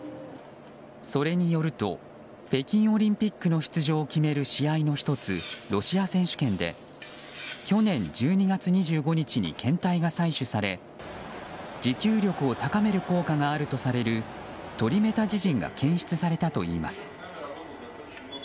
それによると北京オリンピックの出場を決める試合の１つロシア選手権で去年１２月２５日に検体が採取され持久力を高める効果があるとされるトリメタジジンが検出されたといいます。